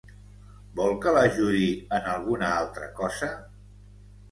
Vol que l'ajudi en alguna altra cosa?